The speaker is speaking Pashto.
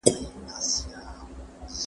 بدترین حالت باید وڅېړل سي.